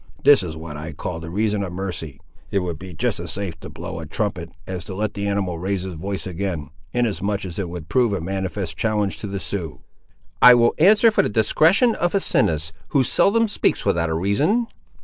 This is what I call the reason of mercy. It would be just as safe to blow a trumpet, as to let the animal raise his voice again, inasmuch as it would prove a manifest challenge to the Siouxes." "I will answer for the discretion of Asinus, who seldom speaks without a reason."